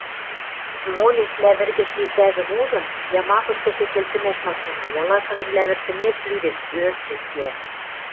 смолеш лявӹргӹш лицӓжӹм ужын, ямакыштышы келтӹмӓш машана, ялашыжым лявӹртӹмеш лӱдеш, ӧртшӹ кеӓ...